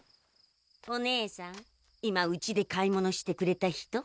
今うちで買い物してくれた人？